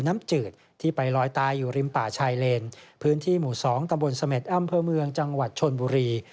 อำเภอเมืองจังหวัดชนบุรี